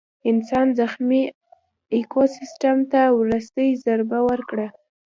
انسان زخمي ایکوسیستم ته وروستۍ ضربه ورکړه.